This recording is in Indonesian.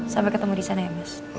sampai ketemu disana ya mas